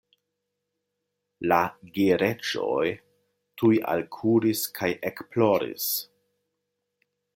La gereĝoj tuj alkuris kaj ekploris.